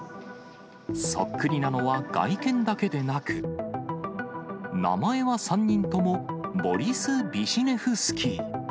そっくりなのは外見だけでなく、名前は３人とも、ボリス・ビシネフスキー。